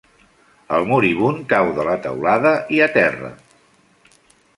El moribund cau de la teulada i a terra.